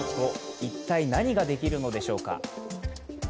一体何ができるのでしょうか。